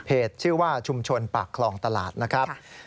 ชื่อว่าชุมชนปากคลองตลาดนะครับ